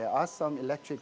ada bus elektrik